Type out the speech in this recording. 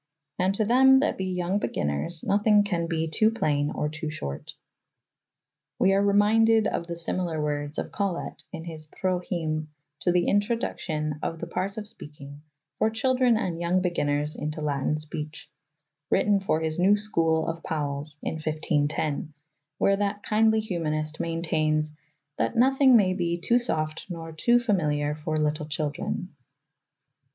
" "And to them that be yonge begynners nothinge can be to playne or to short. " We are reminded of the similar words of Colet, in his " Proheme" to the Introducyon of the partes of spekyng, for chyldren and yonge begynners into latyn speche, written for his "newe schole of Powels " in 1510, where that kindly humanist maintains " that nothinge may be to soft nor to famylyer for lytell chyldren.